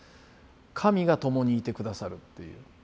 神が共にいて下さるっていう。